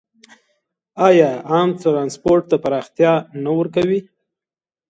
آیا عام ټرانسپورټ ته پراختیا نه ورکوي؟